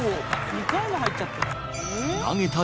２回も入っちゃったよ。